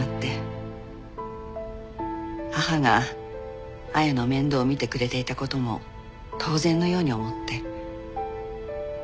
母が亜矢の面倒を見てくれていた事も当然のように思って。